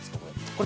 これ。